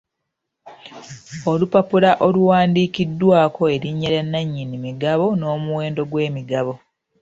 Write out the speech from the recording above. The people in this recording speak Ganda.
Olupapula oluwandiikiddwako erinnya lya nannyini migabo n'omuwendo gw'emigabo.